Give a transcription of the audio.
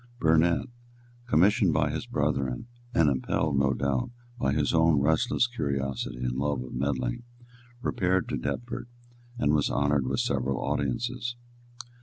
Burnet, commissioned by his brethren, and impelled, no doubt, by his own restless curiosity and love of meddling, repaired to Deptford and was honoured with several audiences.